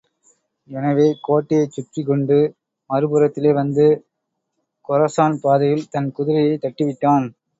எனவே கோட்டையைச் சுற்றிக் கொண்டு மறுபுறத்திலே வந்து கொரசான் பாதையில் தன் குதிரையைத் தட்டிவிட்டான்.